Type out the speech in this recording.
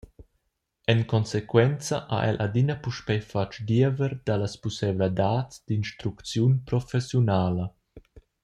En consequenza ha el adina puspei fatg diever dallas pusseivladads d’instrucziun professiunala.